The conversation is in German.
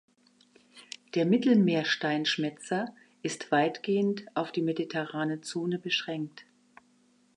Der Mittelmeer-Steinschmätzer ist weitgehend auf die Mediterrane Zone beschränkt.